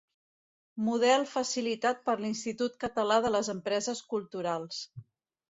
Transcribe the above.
Model facilitat per l'Institut Català de les Empreses Culturals.